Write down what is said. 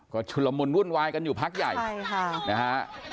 ก็ชุนละมุนวุ่นวายกันอยู่พักใหญ่ใช่ค่ะนะฮะ